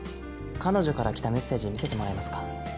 彼女から来たメッセージ見せてもらえますか？